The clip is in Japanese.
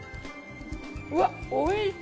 うわっ美味しい！